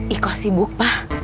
ikoh sibuk pak